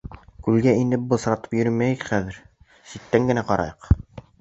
— Күлгә инеп бысратып йөрөмәйек хәҙер, ситтән генә ҡарайыҡ.